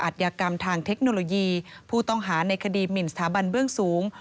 ยากรรมทางเทคโนโลยีผู้ต้องหาในคดีหมินสถาบันเบื้องสูง